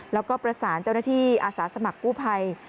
แล้วก็ประสานเจ้าหน้าที่อาสาสมัครกู้ภัย